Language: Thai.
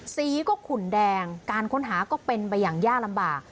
สีก็ขุนแดงการค้นหาก็เป็นไปอย่างยากลำบาก